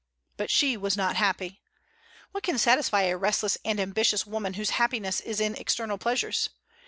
But she was not happy. What can satisfy a restless and ambitious woman whose happiness is in external pleasures?